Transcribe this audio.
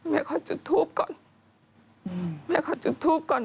แม่ขอจุดทูปก่อน